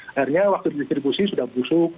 akhirnya waktu distribusi sudah busuk